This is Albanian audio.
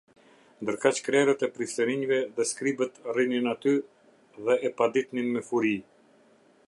Ndërkaq krerët e priftërinjve dhe skribët rrinin aty dhe e paditnin me furi.